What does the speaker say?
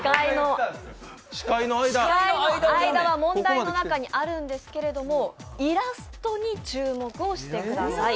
司会の間は問題の中にあるんですけれどもイラストに注目をしてください。